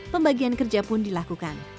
pembagian kerja pun dilakukan